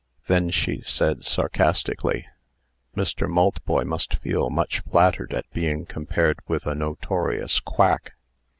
Then she said, sarcastically: "Mr. Maltboy must feel much flattered at being compared with a notorious quack."